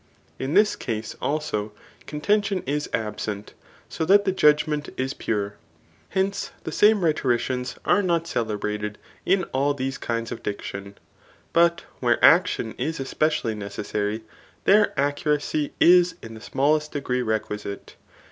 In this case, also, contention is absent ; so that the judg ment is pure. Hence, the same rhetoricians are not celebrated in all these kinds of diction ; but where action is especially necessary, there accuracy is in the smallest degree requisite.